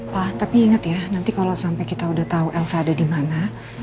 wah tapi inget ya nanti kalau sampai kita udah tahu elsa ada di mana